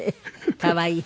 可愛い。